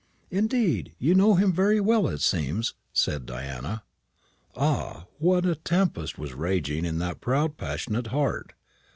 "Indeed! you know him very well, it seems," said Diana. Ah, what a tempest was raging in that proud passionate heart!